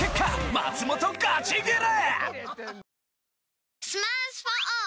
松本ガチギレ！